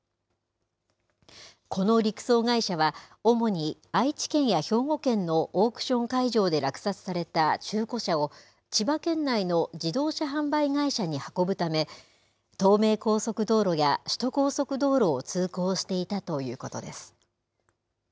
この陸送会社は、主に愛知県や兵庫県のオークション会場で落札された中古車を、千葉県内の自動車販売会社に運ぶため、東名高速道路や首都高速道路を通行していたということです。